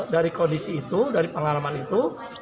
dari kondisi itu dari pengalaman itu